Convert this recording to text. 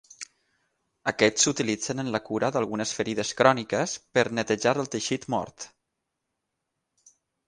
Aquests s'utilitzen en la cura d'algunes ferides cròniques per netejar el teixit mort.